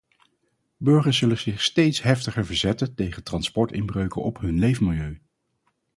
Burgers zullen zich steeds heviger verzetten tegen transportinbreuken op hun leefmilieu.